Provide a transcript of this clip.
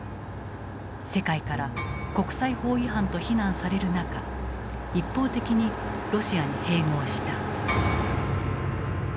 世界から「国際法違反」と非難される中一方的にロシアに併合した。